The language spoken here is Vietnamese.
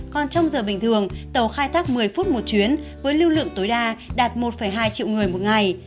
còn trong giờ bình thường tàu khai thác một mươi phút một chuyến với lưu lượng tối đa đạt một hai triệu người một ngày